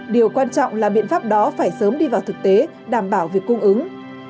điều quan trọng là biện pháp đó phải sớm đi vào thực tế đảm bảo việc cung ứng